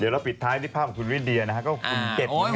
เดี๋ยวเราปิดท้ายที่ภาพของทุนวิทย์เดียนะฮะก็หุ่นเด็ดเหมือนกัน